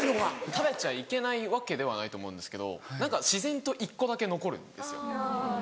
食べちゃいけないわけではないと思うんですけど何か自然と１個だけ残るんですよ。